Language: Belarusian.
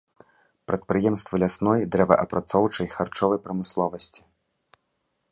Прадпрыемствы лясной, дрэваапрацоўчай, харчовай прамысловасці.